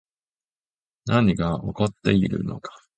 何が起こっているのか